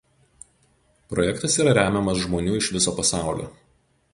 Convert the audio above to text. Projektas yra remiamas žmonių iš viso pasaulio.